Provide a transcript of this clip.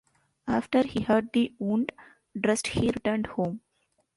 After he had the wound dressed he returned home.